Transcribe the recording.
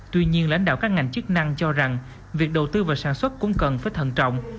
tuy nhiên lãnh đạo các ngành chức năng cho rằng việc đầu tư và sản xuất cũng cần phải thần trọng